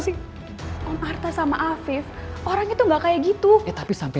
siapa yang bebasin papa